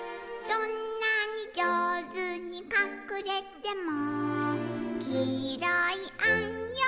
「どんなにじょうずにかくれても」